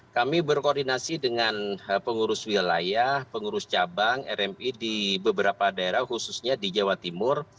kami berkoordinasi dengan pengurus wilayah pengurus cabang rmi di beberapa daerah khususnya di jawa timur